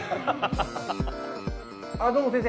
ああどうも先生